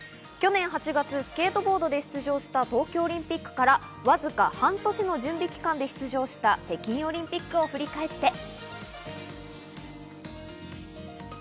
去年８月、スケートボードで出場した東京オリンピックからわずか半年の準備期間で出場した北京オリンピックを振り返って。